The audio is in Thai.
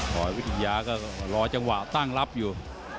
วิทยาก็รอจังหวะตั้งรับอยู่